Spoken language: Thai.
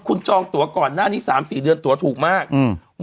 คุณจองตัวก่อนหน้านี้สามสี่เดือนตัวถูกมากอืม